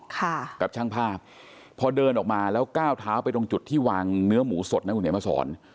ค่ะกับช่างภาพพอเดินออกมาแล้วก้าวเท้าไปตรงจุดที่วางเนื้อหมูสดนะคุณเห็นมาสอน